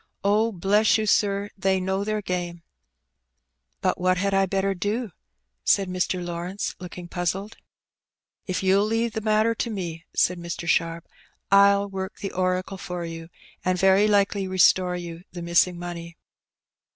Oh, bless you, sir, they know their game." " But what had I better do ?" said Mr. Lawrence, looking puzzled. "If you'll leave the matter to me," said Mr. Sharp, ni work the oracle for you, and very likely restore you the missing money."